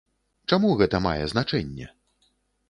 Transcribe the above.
Чаму гэта мае значэнне?